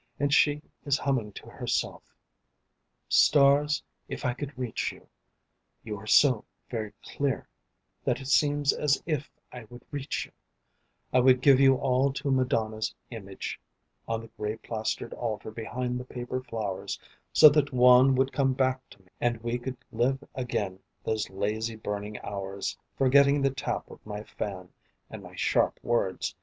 And she is humming to herself: "Stars, if I could reach you, (You are so very clear that it seems as if I could reach you) I would give you all to Madonna's image, On the grey plastered altar behind the paper flowers, So that Juan would come back to me, And we could live again those lazy burning hours Forgetting the tap of my fan and my sharp words.